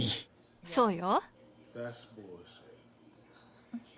そうよ。